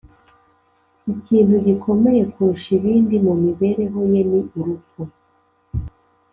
ikintu gikomeye kurusha ibindi mu mibereho ye ni urupfu.